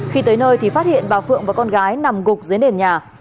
khi tới nơi thì phát hiện bà phượng và con gái nằm gục dưới nền nhà